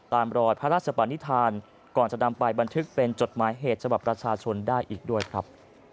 ตามรอยพระราชปานิษฐานก่อนจะนำไปบันทึกเป็นจดหมายเหตุฉบับประชาชนได้อีกด้วยครับ